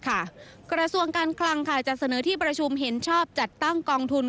กระทรวงการคลังจะเสนอที่ประชุมเห็นชอบจัดตั้งกองทุน